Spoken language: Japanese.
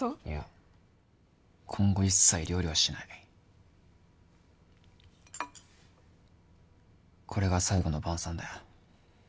いや今後一切料理はしないこれが最後の晩さんだよ